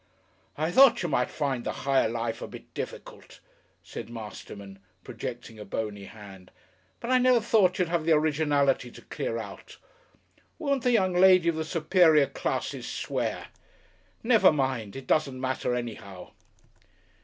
"I thought you might find the Higher Life a bit difficult," said Masterman, projecting a bony hand. "But I never thought you'd have the originality to clear out.... Won't the young lady of the superior classes swear! Never mind it doesn't matter anyhow.